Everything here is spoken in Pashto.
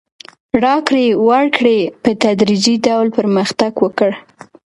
راکړې ورکړې په تدریجي ډول پرمختګ وکړ.